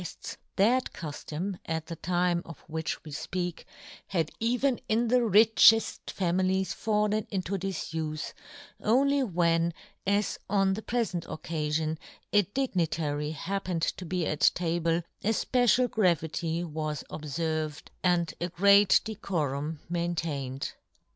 1 1 guefts, that cuftom, at the time of which we fpeak, had even in the richefl families fallen into difufe, only when, as on the prefent occa fion, a dignitary happened to be at table, a fpecial gravity was obferved, and a great decorum maintained.